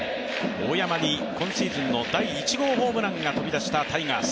大山に今シーズンの第１号ホームランが飛び出したタイガース。